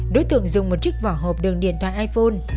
đối tượng dùng một chiếc vỏ hộp đường điện thoại iphone